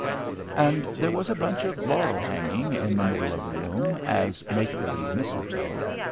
And there was a bunch of laurel hanging in the middle of the room, as make believe mistletoe.